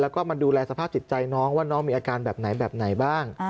แล้วก็มาดูแลสภาพจิตใจน้องว่าน้องมีอาการแบบไหนแบบไหนบ้าง